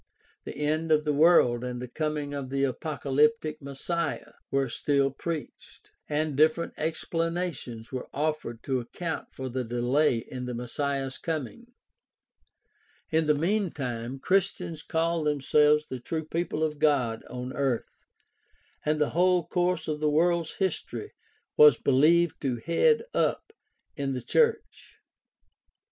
The end of the world and the coming of the apocalyptic Messiah were still preached (e.g., Mark 9:1; I Clem, 23:3 5; Ignatjus Eph. 11: i; Barn. 4:3, 9), and different explanations were offered to account for the delay in the Messiah's coming (e.g., Mark 13:10; II Peter 3:4 ff.). In the meantime Christians called themselves the true people of God on earth, and the whole course of the world's history was believed to head up in the church.